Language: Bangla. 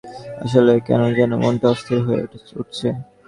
আসলে, কেন যেন মনটা অস্থির হয়ে উঠছে।